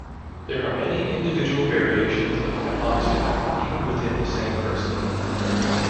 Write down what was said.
There are many individual variations of hypoxia, even within the same person.